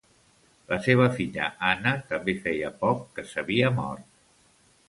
La seva filla Anna també feia poc que s'havia mort.